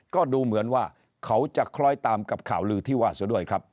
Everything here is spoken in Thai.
ก็ดูเหมือนว่าเขาจะคล้อยตามกับข่าวลือที่ว่าซะด้วยครับ